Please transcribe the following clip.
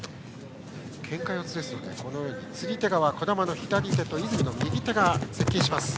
けんか四つですので釣り手側、児玉の左手が泉の右手が接近します。